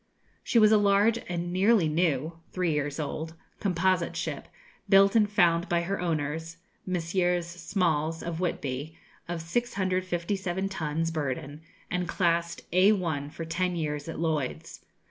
She was a large and nearly new (three years old) composite ship, built and found by her owners, Messrs. Smales, of Whitby, of 657 tons burden, and classed A 1 for ten years at Lloyd's.